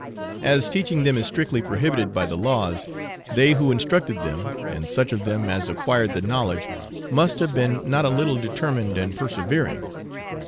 As teaching them is strictly prohibited by the laws, they who instructed them, and such of them as acquired the knowledge, must have been not a little determined and persevering.